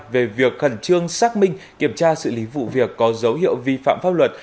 về việc khẩn trương xác minh kiểm tra xử lý vụ việc có dấu hiệu vi phạm pháp luật